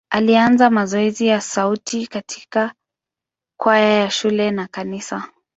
Alianza mazoezi ya sauti katika kwaya ya shule na kanisa.